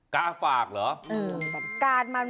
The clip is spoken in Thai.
กาฝากเหรอ